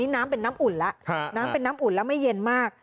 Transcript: น้ำเป็นน้ำอุ่นแล้วน้ำเป็นน้ำอุ่นแล้วไม่เย็นมาก